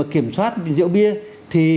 kiểm soát rượu bia thì